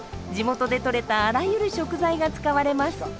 地元で取れたあらゆる食材が使われます。